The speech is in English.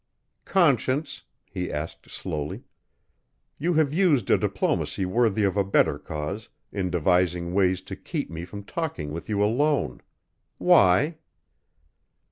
"Conscience," he asked slowly, "you have used a diplomacy worthy of a better cause, in devising ways to keep me from talking with you alone why?"